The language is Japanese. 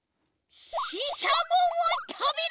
ししゃもをたべる！